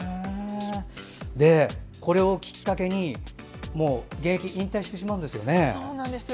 これをきっかけに現役引退してしまうんですよね。